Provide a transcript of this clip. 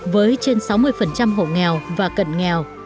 với trên sáu mươi hồ nghèo và cận nghèo